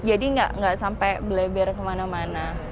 jadi nggak sampai beleber kemana mana